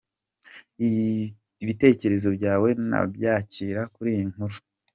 Ibitekerezo byawe ndabyakira kuri iyi nkuru.